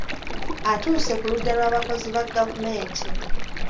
Atuuse ku ludda lw’abakozi ba gavumenti.